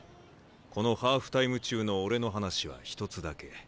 このハーフタイム中の俺の話は一つだけ。